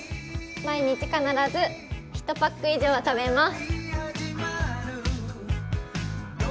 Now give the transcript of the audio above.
毎日必ず１パック以上は食べます。